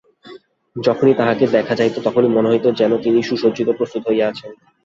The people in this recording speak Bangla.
যখনই তাঁহাকে দেখা যাইত তখনই মনে হইত যেন তিনি সুসজ্জিত প্রস্তুত হইয়া আছেন।